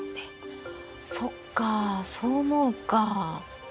そっかそう思うか。